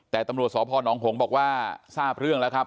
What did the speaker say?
แต่ตำรวจสพนหงษ์บอกว่าทราบเรื่องแล้วครับ